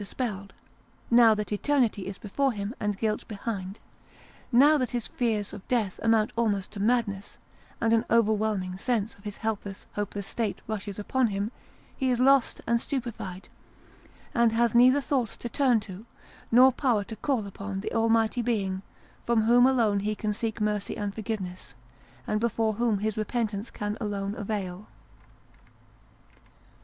157 dispelled, now that eternity is before him and guilt behind, now that his fears of death amount almost to madness, and an overwhelming sense of his helpless, hopeless state rushes upon him, he is lost and stupefied, and has neither thoughts to turn to, nor power to call upon, the Almighty Being, from whom alone he can seek mercy and forgive ness, and before whom his repentance can alone avail.